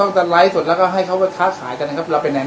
เข้าไปดูแล้วตั้งใจจะทำอะไร